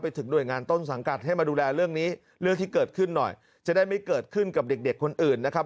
ถึงหน่วยงานต้นสังกัดให้มาดูแลเรื่องนี้เรื่องที่เกิดขึ้นหน่อยจะได้ไม่เกิดขึ้นกับเด็กเด็กคนอื่นนะครับ